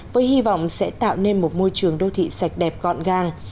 với hy vọng sẽ tạo nên một môi trường đô thị sạch đẹp gọn gàng